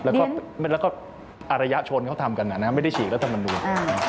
แล้วก็อารยะชนเขาทำกันนะครับไม่ได้ฉีกรัฐธรรมนูญ